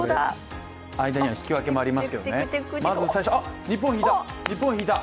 間には引き分けもありますけど、日本引いた！